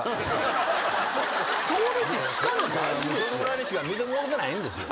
そのぐらいにしか見てもろてないんですよ。